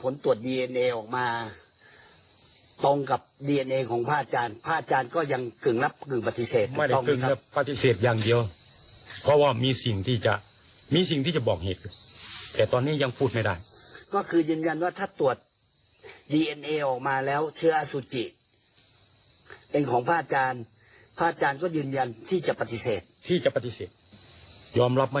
ลองฟังเสียงดูนะคะ